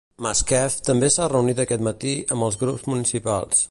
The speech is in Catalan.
Masquef també s'ha reunit aquest matí amb els grups municipals.